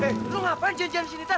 hei lu ngapain janjian disini ter